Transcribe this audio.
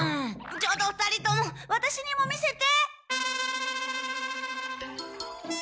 ちょっと２人ともワタシにも見せて！